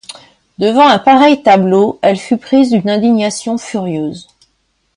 Devant un pareil tableau, elle fut prise d'une indignation furieuse.